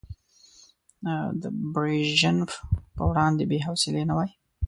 د بريژينف په وړاندې بې حوصلې نه وای.